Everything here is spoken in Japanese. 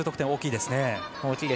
大きいですね。